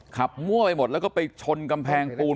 คาบงั่วไปหมดแล้วไปชนกำแพงปูน